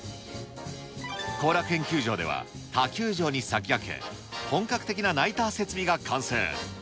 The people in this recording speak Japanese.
後楽園球場では他球場に先駆け、本格的なナイター設備が完成。